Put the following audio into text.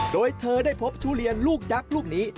โดยเธอได้พบทุเรียนลูกยักษ์ลูกนี้